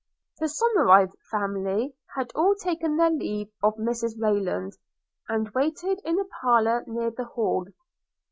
The Somerive family had all taken their leave of Mrs Rayland, and waited in a parlour near the hall.